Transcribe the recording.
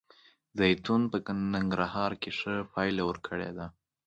زیتون په ننګرهار کې ښه پایله ورکړې ده